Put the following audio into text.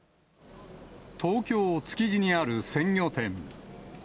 東京・築地にある鮮魚店。